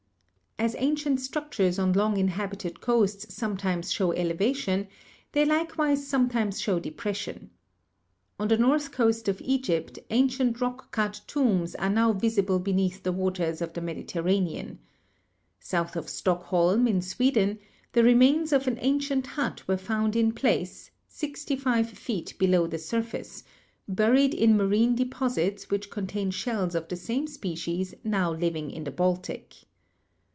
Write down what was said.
As ancient structures on long inhabited coasts some times show elevation, they likewise sometimes show de pression. On the north coast of Egypt ancient rock cut tombs are now visible beneath the waters of the Medi terranean. South of Stockholm, in Sweden, the remains of an ancient hut were found in place, 65 feet below the surface, buried in marine deposits which contain shells of the same species now living in the Baltic.